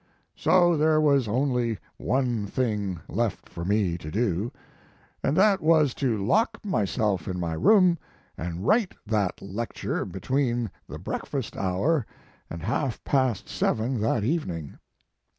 So there was only one thing left for me to do, and that was to lock myself in my room and write that lecture between the breakfast hour and half past seven that evening.